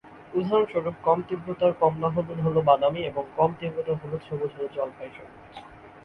উদাহরণস্বরূপ, কম-তীব্রতার কমলা-হলুদ হল বাদামী এবং কম-তীব্রতার হলুদ-সবুজ হল জলপাই সবুজ।